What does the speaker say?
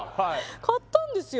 買ったんですよ